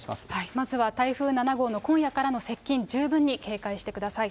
まずは台風７号の今夜からの接近、十分に警戒してください。